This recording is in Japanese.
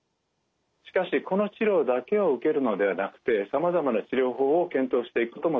しかしこの治療だけを受けるのではなくてさまざまな治療法を検討していくことも大事です。